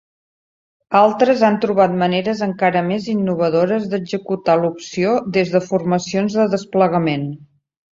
Altres han trobat maneres encara més innovadores d'executar l'opció des de formacions de desplegament.